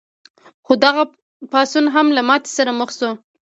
خو دغه پاڅون هم له ماتې سره مخ شو.